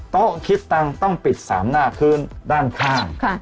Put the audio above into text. โต๊ะคิดตังค์ต้องปิด๓หน้าพื้นด้านข้าง